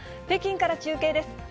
北京から中継です。